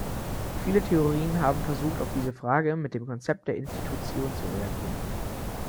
Viele Theorien haben versucht, auf diese Frage mit dem Konzept der Institution zu reagieren.